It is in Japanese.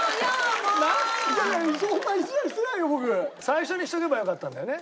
最初にしとけばよかったんだよね。